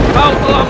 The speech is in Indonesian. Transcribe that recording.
kau telah mem